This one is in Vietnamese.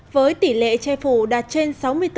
với tỷ lệ che phủ đạt trên sáu mươi bốn